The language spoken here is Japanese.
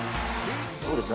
そうですね